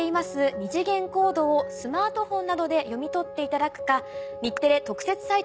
二次元コードをスマートフォンなどで読み取っていただくか。